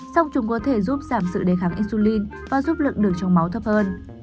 sau chúng có thể giúp giảm sự đề kháng insulin và giúp lượng đường trong máu thấp hơn